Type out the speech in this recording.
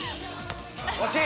惜しい！